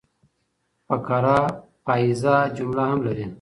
فقره پاییزه جمله هم لري.